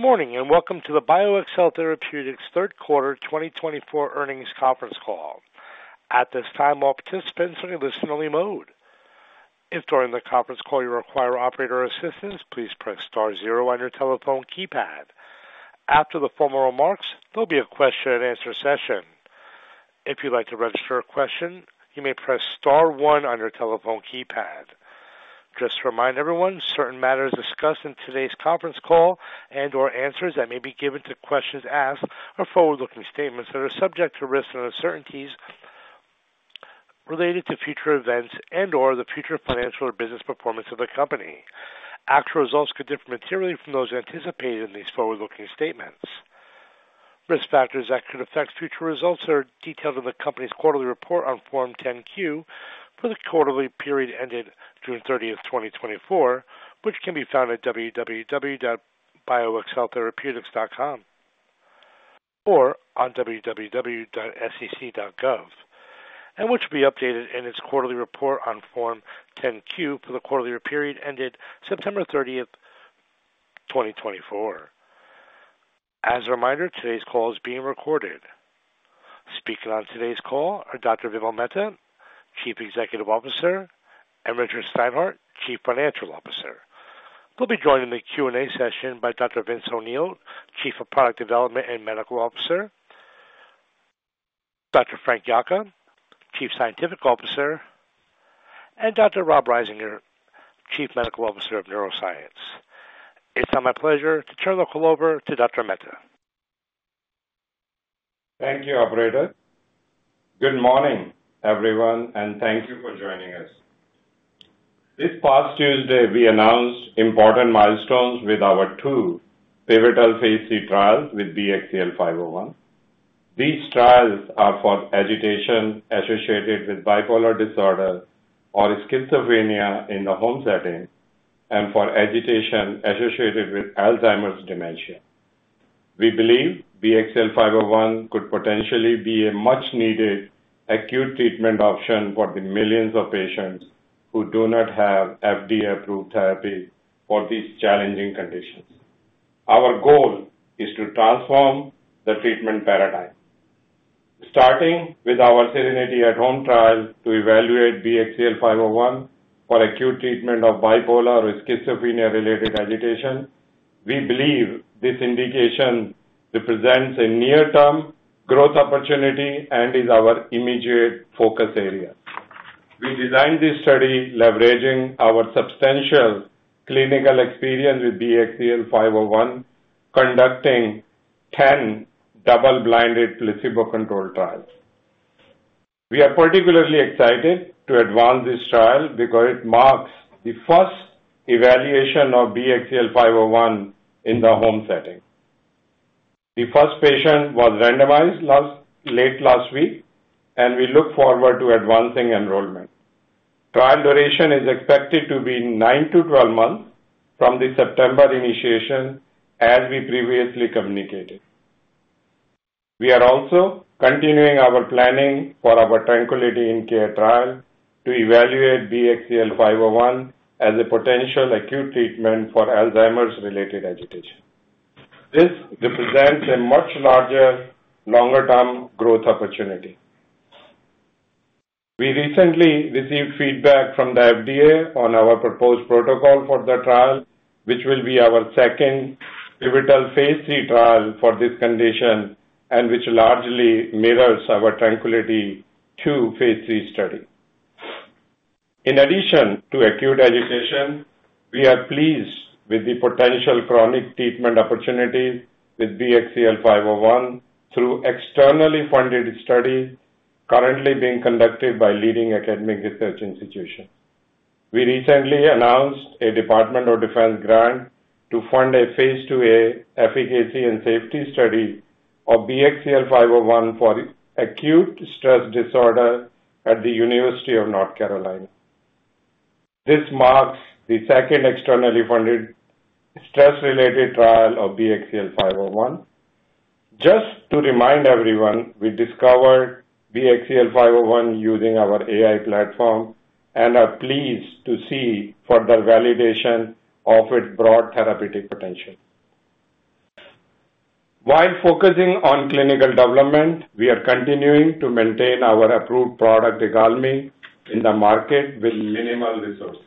Good morning and welcome to the BioXcel Therapeutics third quarter 2024 earnings conference call. At this time, all participants are in listen-only mode. If during the conference call you require operator assistance, please press star zero on your telephone keypad. After the formal remarks, there'll be a question-and-answer session. If you'd like to register a question, you may press star one on your telephone keypad. Just to remind everyone, certain matters discussed in today's conference call and/or answers that may be given to questions asked are forward-looking statements that are subject to risks and uncertainties related to future events and/or the future financial or business performance of the company. Actual results could differ materially from those anticipated in these forward-looking statements. Risk factors that could affect future results are detailed in the company's quarterly report on Form 10-Q for the quarterly period ended June 30th, 2024, which can be found at www.bioxceltherapeutics.com or on www.sec.gov, and which will be updated in its quarterly report on Form 10-Q for the quarterly period ended September 30th, 2024. As a reminder, today's call is being recorded. Speaking on today's call are Dr. Vimal Mehta, Chief Executive Officer, and Richard Steinhart, Chief Financial Officer. They'll be joined in the Q&A session by Dr. Vince O'Neill, Chief of Product Development and Medical Officer, Dr. Frank Yocca, Chief Scientific Officer, and Dr. Rob Risinger, Chief Medical Officer of Neuroscience. It's my pleasure to turn the call over to Dr. Mehta. Thank you, Operator. Good morning, everyone, and thank you for joining us. This past Tuesday, we announced important milestones with our two pivotal phase III trials with BXCL501. These trials are for agitation associated with bipolar disorder or schizophrenia in the home setting and for agitation associated with Alzheimer's dementia. We believe BXCL501 could potentially be a much-needed acute treatment option for the millions of patients who do not have FDA-approved therapy for these challenging conditions. Our goal is to transform the treatment paradigm. Starting with our SERENITY At-Home trial to evaluate BXCL501 for acute treatment of bipolar or schizophrenia-related agitation, we believe this indication represents a near-term growth opportunity and is our immediate focus area. We designed this study leveraging our substantial clinical experience with BXCL501, conducting 10 double-blinded placebo-controlled trials. We are particularly excited to advance this trial because it marks the first evaluation of BXCL501 in the home setting. The first patient was randomized late last week, and we look forward to advancing enrollment. Trial duration is expected to be nine to 12 months from the September initiation, as we previously communicated. We are also continuing our planning for our TRANQUILITY In-Care trial to evaluate BXCL501 as a potential acute treatment for Alzheimer's-related agitation. This represents a much larger, longer-term growth opportunity. We recently received feedback from the FDA on our proposed protocol for the trial, which will be our second pivotal phase III trial for this condition and which largely mirrors our TRANQUILITY II phase III study. In addition to acute agitation, we are pleased with the potential chronic treatment opportunities with BXCL501 through externally funded studies currently being conducted by leading academic research institutions. We recently announced a Department of Defense grant to fund a phase II efficacy and safety study of BXCL501 for acute stress disorder at the University of North Carolina. This marks the second externally funded stress-related trial of BXCL501. Just to remind everyone, we discovered BXCL501 using our AI platform and are pleased to see further validation of its broad therapeutic potential. While focusing on clinical development, we are continuing to maintain our approved product economy in the market with minimal resources.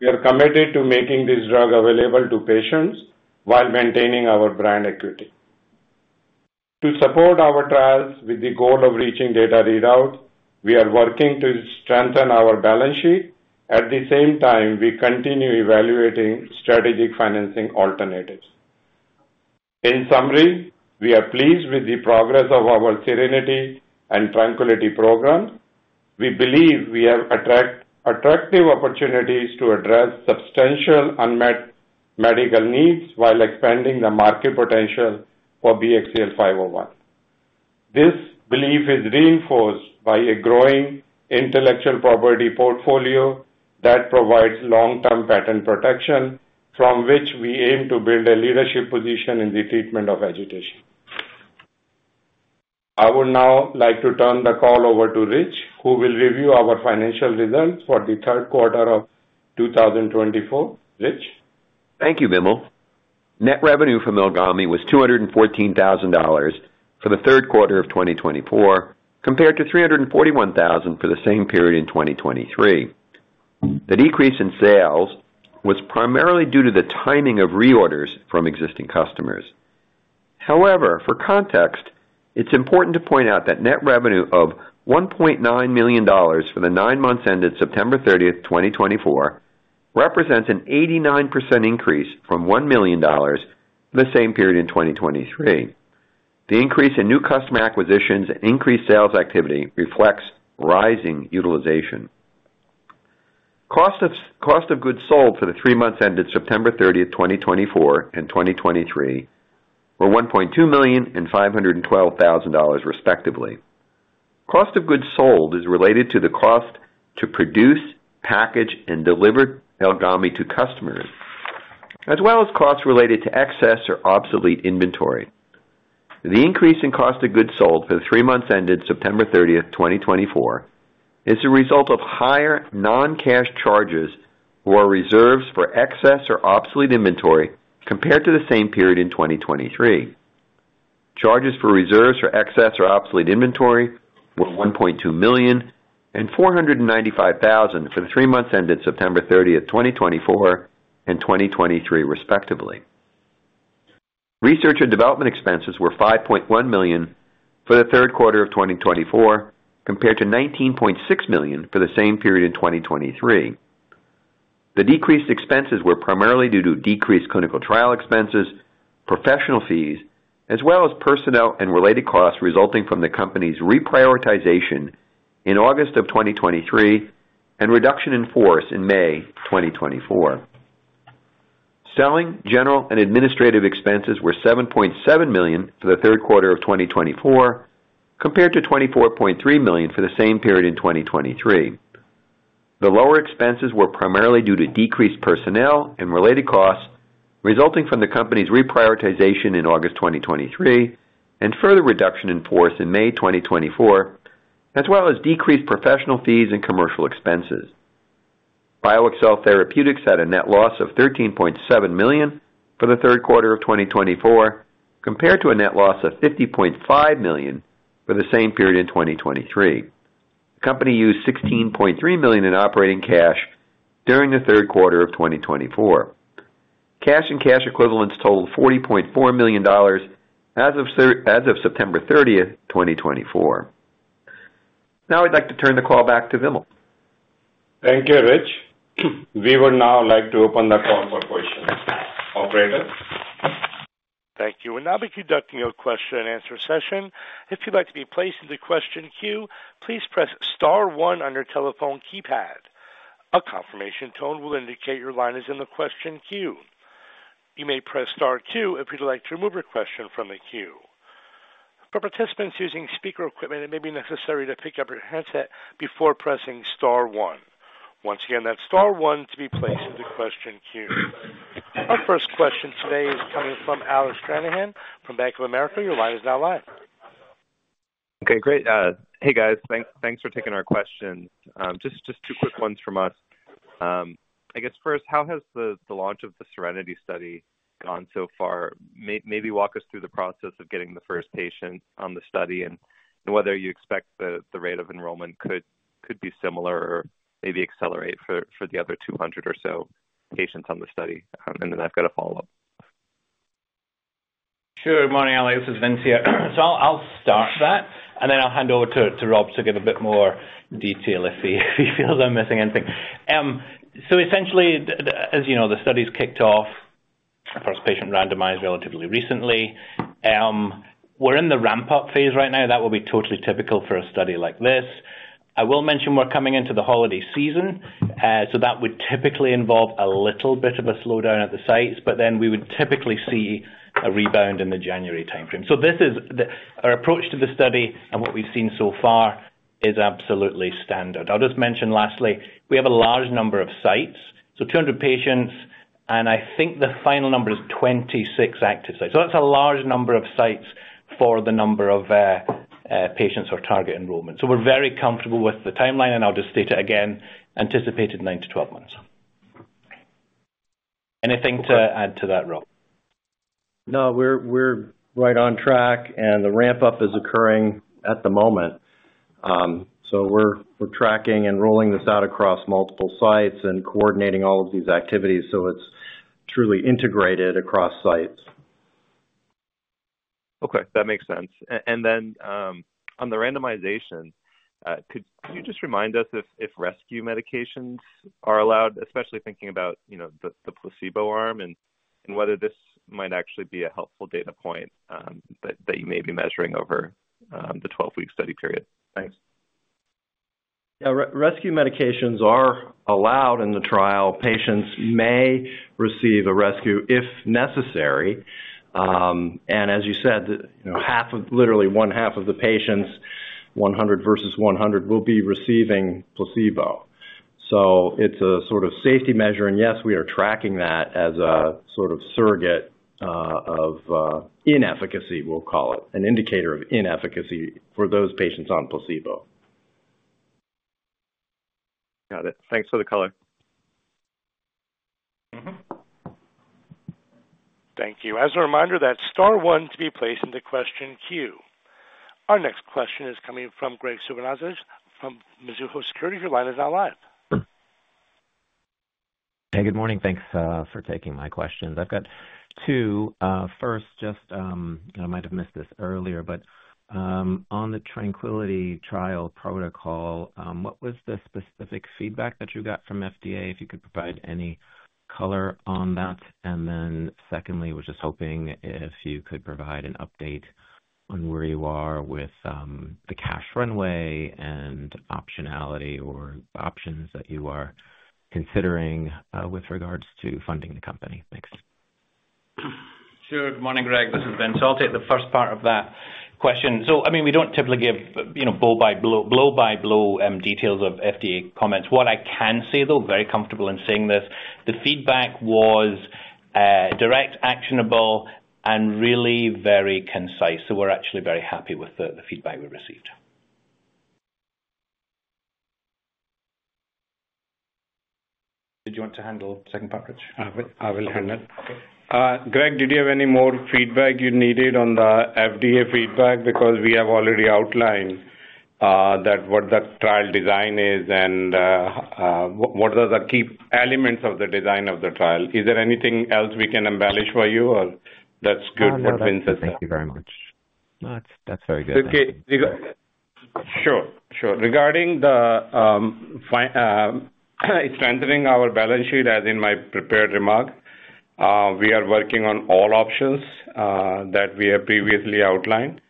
We are committed to making this drug available to patients while maintaining our brand equity. To support our trials with the goal of reaching data readout, we are working to strengthen our balance sheet. At the same time, we continue evaluating strategic financing alternatives. In summary, we are pleased with the progress of our SERENITY and TRANQUILITY programs. We believe we have attractive opportunities to address substantial unmet medical needs while expanding the market potential for BXCL501. This belief is reinforced by a growing intellectual property portfolio that provides long-term patent protection, from which we aim to build a leadership position in the treatment of agitation. I would now like to turn the call over to Rich, who will review our financial results for the third quarter of 2024. Rich? Thank you, Vimal. Net revenue from IGALMI was $214,000 for the third quarter of 2024, compared to $341,000 for the same period in 2023. The decrease in sales was primarily due to the timing of reorders from existing customers. However, for context, it's important to point out that net revenue of $1.9 million for the nine months ended September 30th, 2024, represents an 89% increase from $1 million for the same period in 2023. The increase in new customer acquisitions and increased sales activity reflects rising utilization. Cost of goods sold for the three months ended September 30th, 2024, and 2023 were $1.2 million and $512,000, respectively. Cost of goods sold is related to the cost to produce, package, and deliver IGALMI to customers, as well as costs related to excess or obsolete inventory. The increase in cost of goods sold for the three months ended September 30th, 2024, is the result of higher non-cash charges or reserves for excess or obsolete inventory compared to the same period in 2023. Charges for reserves for excess or obsolete inventory were $1.2 million and $495,000 for the three months ended September 30th, 2024, and 2023, respectively. Research and development expenses were $5.1 million for the third quarter of 2024, compared to $19.6 million for the same period in 2023. The decreased expenses were primarily due to decreased clinical trial expenses, professional fees, as well as personnel and related costs resulting from the company's reprioritization in August of 2023 and reduction in force in May 2024. Selling, general, and administrative expenses were $7.7 million for the third quarter of 2024, compared to $24.3 million for the same period in 2023. The lower expenses were primarily due to decreased personnel and related costs resulting from the company's reprioritization in August 2023 and further reduction in force in May 2024, as well as decreased professional fees and commercial expenses. BioXcel Therapeutics had a net loss of $13.7 million for the third quarter of 2024, compared to a net loss of $50.5 million for the same period in 2023. The company used $16.3 million in operating cash during the third quarter of 2024. Cash and cash equivalents totaled $40.4 million as of September 30th, 2024. Now, I'd like to turn the call back to Vimal. Thank you, Rich. We would now like to open the call for questions. Operator? Thank you. We'll now be conducting a question-and-answer session. If you'd like to be placed in the question queue, please press star one on your telephone keypad. A confirmation tone will indicate your line is in the question queue. You may press star two if you'd like to remove your question from the queue. For participants using speaker equipment, it may be necessary to pick up your headset before pressing star one. Once again, that's star one to be placed in the question queue. Our first question today is coming from Alec Stranahan from Bank of America. Your line is now live. Okay, great. Hey, guys. Thanks for taking our questions. Just two quick ones from us. I guess first, how has the launch of the SERENITY study gone so far? Maybe walk us through the process of getting the first patient on the study and whether you expect the rate of enrollment could be similar or maybe accelerate for the other 200 or so patients on the study. And then I've got a follow-up. Sure. Good morning, Alex. This is Vince here. So I'll start that, and then I'll hand over to Rob to give a bit more detail if he feels I'm missing anything. So essentially, as you know, the study's kicked off. Our first patient randomized relatively recently. We're in the ramp-up phase right now. That would be totally typical for a study like this. I will mention we're coming into the holiday season, so that would typically involve a little bit of a slowdown at the sites, but then we would typically see a rebound in the January timeframe. So our approach to the study and what we've seen so far is absolutely standard. I'll just mention lastly, we have a large number of sites, so 200 patients, and I think the final number is 26 active sites. So that's a large number of sites for the number of patients or target enrollment. So we're very comfortable with the timeline, and I'll just state it again, anticipated nine to 12 months. Anything to add to that, Rob? No, we're right on track, and the ramp-up is occurring at the moment. So we're tracking and rolling this out across multiple sites and coordinating all of these activities so it's truly integrated across sites. Okay, that makes sense. And then on the randomization, could you just remind us if rescue medications are allowed, especially thinking about the placebo arm, and whether this might actually be a helpful data point that you may be measuring over the 12-week study period? Thanks. Yeah, rescue medications are allowed in the trial. Patients may receive a rescue if necessary. And as you said, literally one-half of the patients, 100 versus 100, will be receiving placebo. So it's a sort of safety measure, and yes, we are tracking that as a sort of surrogate of inefficacy, we'll call it, an indicator of inefficacy for those patients on placebo. Got it. Thanks for the color. Thank you. As a reminder, that's star one to be placed in the question queue. Our next question is coming from Graig Suvannavejh from Mizuho Securities. Your line is now live. Hey, good morning. Thanks for taking my questions. I've got two. First, just I might have missed this earlier, but on the Tranquility trial protocol, what was the specific feedback that you got from FDA? If you could provide any color on that. And then secondly, we're just hoping if you could provide an update on where you are with the cash runway and optionality or options that you are considering with regards to funding the company? Thanks. Sure. Good morning, Graig. This is Vince. I'll take the first part of that question. So I mean, we don't typically give blow-by-blow details of FDA comments. What I can say, though, very comfortable in saying this, the feedback was direct, actionable, and really very concise. So we're actually very happy with the feedback we received. Did you want to handle the second part, Rich? I will handle it. Okay. Graig, did you have any more feedback you needed on the FDA feedback? Because we have already outlined what the trial design is and what are the key elements of the design of the trial. Is there anything else we can embellish for you, or that's good what Vince has said? Thank you very much. No, that's very good. Sure. Sure. Regarding strengthening our balance sheet, as in my prepared remark, we are working on all options that we have previously outlined.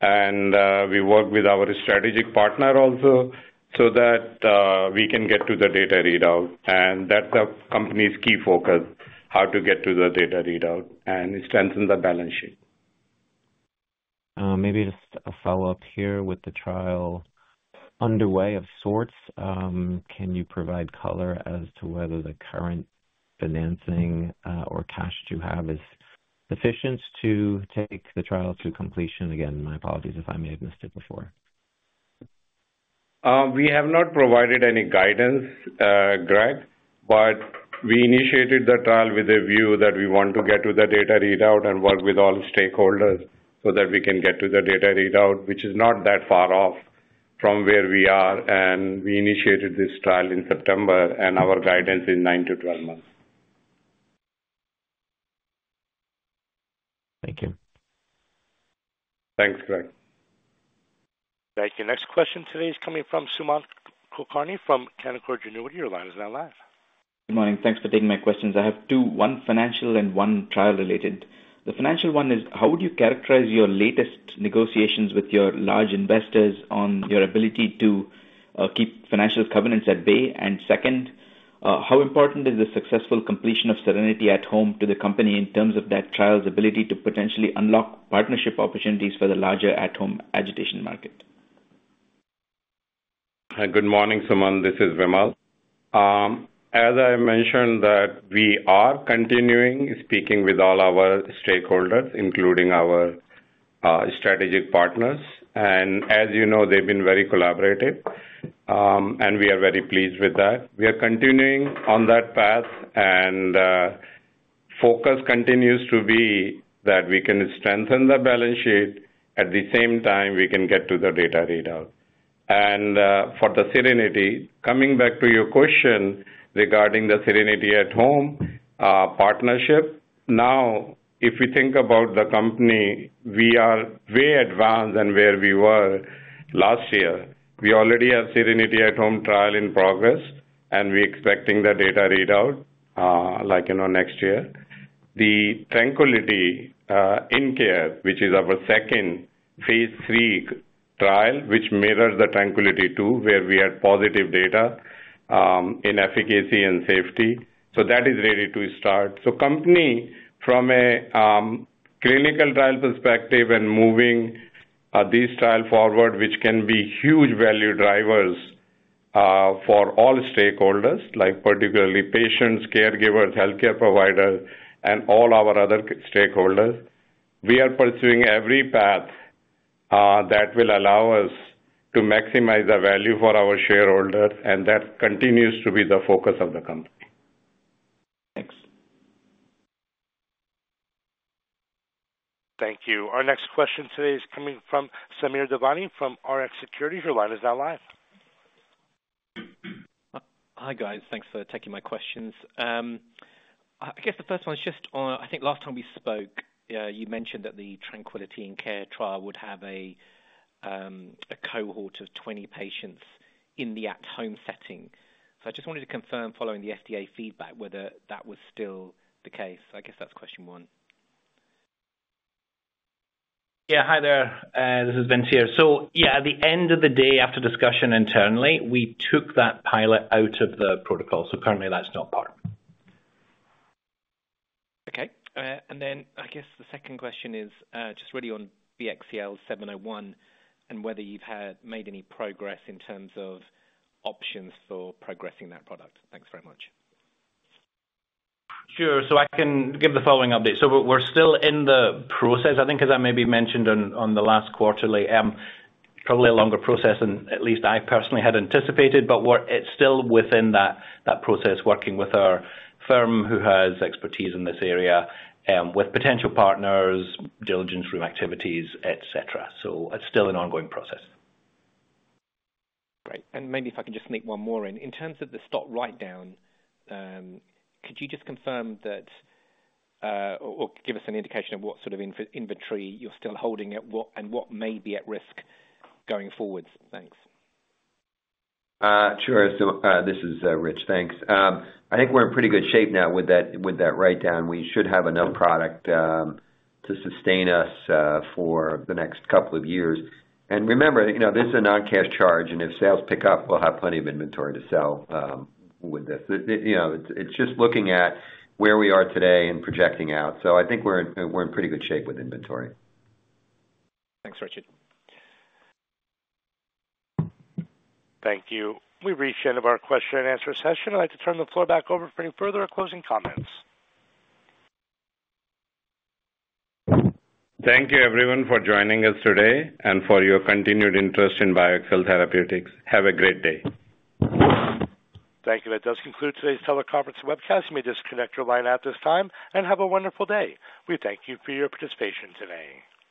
And we work with our strategic partner also so that we can get to the data readout. And that's the company's key focus, how to get to the data readout and strengthen the balance sheet. Maybe just a follow-up here with the trial underway of sorts. Can you provide color as to whether the current financing or cash that you have is sufficient to take the trial to completion? Again, my apologies if I may have missed it before. We have not provided any guidance, Graig, but we initiated the trial with a view that we want to get to the data readout and work with all stakeholders so that we can get to the data readout, which is not that far off from where we are, and we initiated this trial in September, and our guidance is 9 to 12 months. Thank you. Thanks, Graig. Thank you. Next question today is coming from Sumant Kulkarni from Canaccord Genuity. Your line is now live. Good morning. Thanks for taking my questions. I have two, one financial and one trial-related. The financial one is, how would you characterize your latest negotiations with your large investors on your ability to keep financial covenants at bay? And second, how important is the successful completion of SERENITY at home to the company in terms of that trial's ability to potentially unlock partnership opportunities for the larger at-home agitation market? Good morning, Sumant. This is Vimal. As I mentioned, we are continuing speaking with all our stakeholders, including our strategic partners, and as you know, they've been very collaborative, and we are very pleased with that. We are continuing on that path, and focus continues to be that we can strengthen the balance sheet. At the same time, we can get to the data readout, and for the SERENITY, coming back to your question regarding the SERENITY At-Home partnership, now, if we think about the company, we are way advanced than where we were last year. We already have SERENITY At-Home trial in progress, and we're expecting the data readout next year. The TRANQUILITY In-Care, which is our second phase III trial, which mirrors the TRANQUILITY II, where we had positive data in efficacy and safety, so that is ready to start. So, company, from a clinical trial perspective and moving these trials forward, which can be huge value drivers for all stakeholders, like particularly patients, caregivers, healthcare providers, and all our other stakeholders, we are pursuing every path that will allow us to maximize the value for our shareholders. And that continues to be the focus of the company. Thanks. Thank you. Our next question today is coming from Samir Devani from Rx Securities. Your line is now live. Hi, guys. Thanks for taking my questions. I guess the first one is just, I think last time we spoke, you mentioned that the TRANQUILITY In-Care trial would have a cohort of 20 patients in the at-home setting. So I just wanted to confirm, following the FDA feedback, whether that was still the case. I guess that's question one. Yeah. Hi there. This is Vince here. So yeah, at the end of the day, after discussion internally, we took that pilot out of the protocol. So currently, that's not part. Okay. And then I guess the second question is just really on BXCL701 and whether you've made any progress in terms of options for progressing that product. Thanks very much. Sure. So I can give the following update. So we're still in the process, I think, as I maybe mentioned on the last quarterly. Probably a longer process than at least I personally had anticipated, but it's still within that process, working with our firm who has expertise in this area with potential partners, diligence room activities, etc. So it's still an ongoing process. Great. And maybe if I can just sneak one more in. In terms of the stock write-down, could you just confirm that or give us an indication of what sort of inventory you're still holding and what may be at risk going forwards? Thanks. Sure, so this is Rich. Thanks. I think we're in pretty good shape now with that write-down. We should have enough product to sustain us for the next couple of years, and remember, this is a non-cash charge, and if sales pick up, we'll have plenty of inventory to sell with this. It's just looking at where we are today and projecting out, so I think we're in pretty good shape with inventory. Thanks, Richard. Thank you. We've reached the end of our question-and-answer session. I'd like to turn the floor back over for any further or closing comments. Thank you, everyone, for joining us today and for your continued interest in BioXcel Therapeutics. Have a great day. Thank you. That does conclude today's teleconference webcast. You may disconnect your line at this time and have a wonderful day. We thank you for your participation today.